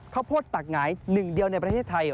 ข้าวโพดตักหงายหนึ่งเดียวในประเทศไทย